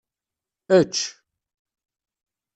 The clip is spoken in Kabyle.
Ečč.